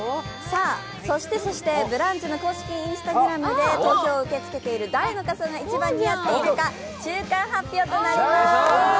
そして「ブランチ」の公式Ｉｎｓｔａｇｒａｍで投票を受け付けている、誰の仮装が一番似合っているか、中間発表となります。